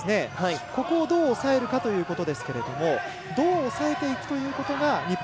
ここをどう抑えるかということですけれどもどう抑えていくということが日本